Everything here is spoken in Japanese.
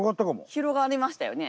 広がりましたよね。